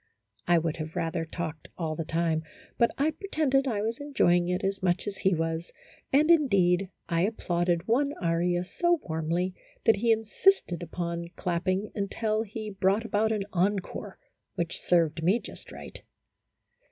I would have rather talked all the time, but I pretended I was enjoying it as much as he was, and, indeed, I applauded one aria so warmly that he insisted upon clapping until he brought about an encore which served me just right.